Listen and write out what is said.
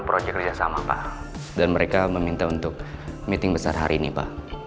proyek kerjasama pak dan mereka meminta untuk meeting besar hari ini pak